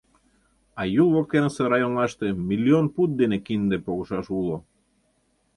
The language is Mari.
А Юл воктенсе районлаште миллион пуд дене кинде погышаш уло.